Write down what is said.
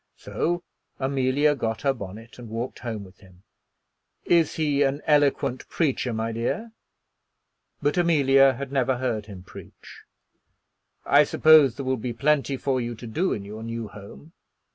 So Amelia got her bonnet and walked home with him. "Is he an eloquent preacher, my dear?" But Amelia had never heard him preach. "I suppose there will be plenty for you to do in your new home."